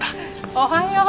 おはよう。